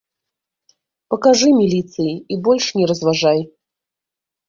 Пакажы міліцыі і больш не разважай.